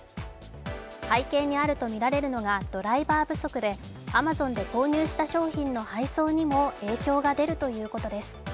背景にあるとみられるのがドライバー不足で、Ａｍａｚｏｎで購入した商品の配送にも影響が出るということです。